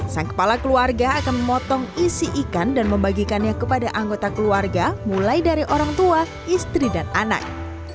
sang kepala keluarga akan memotong isi ikan dan membagikannya kepada anggota keluarga mulai dari orang tua istri dan anak